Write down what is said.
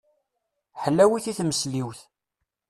Ḥlawit i tmesliwt.